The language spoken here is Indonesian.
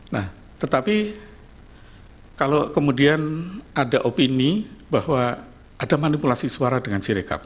nah tetapi kalau kemudian ada opini bahwa ada manipulasi suara dengan si rekap